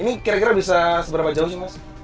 ini kira kira bisa seberapa jauh sih mas